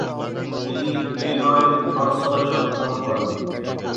তিনি ইলিনয়ের ইভানস্টনে জন্মগ্রহণ করেন।